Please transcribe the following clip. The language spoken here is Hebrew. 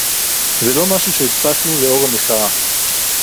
זה לא משהו שהדפסנו לאור המחאה